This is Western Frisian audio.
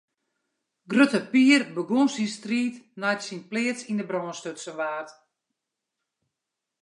Grutte Pier begûn syn striid nei't syn pleats yn 'e brân stutsen waard.